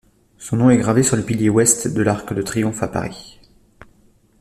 Son nom est gravé sur le pilier ouest, de l'Arc de triomphe à Paris.